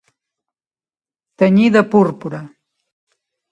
Tenyir de púrpura.